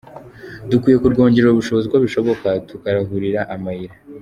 Dukwiye kurwongerera ubushobozi uko bishoboka tukaruharurira amayira.